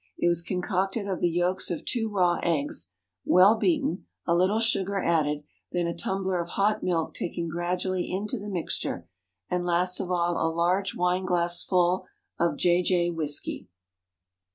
It was concocted of the yolks of two raw eggs, well beaten, a little sugar added, then a tumbler of hot milk taken gradually into the mixture, and last of all a large wine glassful of "J.J." whisky.